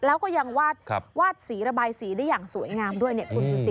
แล้วก็ยังวาดสีระบายสีได้อย่างสวยงามด้วยเนี่ยคุณดูสิ